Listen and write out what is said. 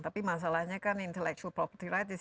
tapi masalahnya kan intellectual property rights